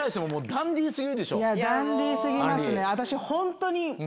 ダンディー過ぎますね。